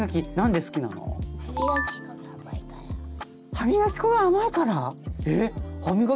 歯みがき粉が甘いから？